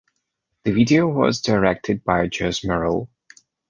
The video was directed by Jez Murrell.